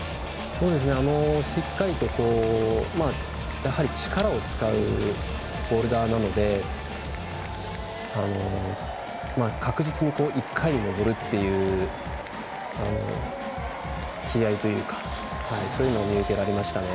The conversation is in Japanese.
しっかりと、やはり力を使うボルダーなので確実に１回で登るという気合いというかそういうのが見受けられました。